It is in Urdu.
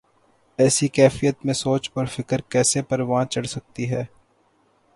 ایسی کیفیت میں سوچ اور فکر کیسے پروان چڑھ سکتی ہے۔